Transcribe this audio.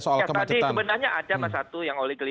ya tadi sebenarnya ada mas satu yang oleh geli